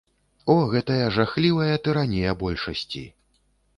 О, гэтая жахлівая тыранія большасці.